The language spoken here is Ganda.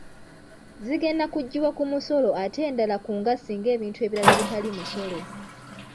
Zigenda kuggibwa ku musolo ate endala ku ngassi n’ebintu ebirala ebitali musolo.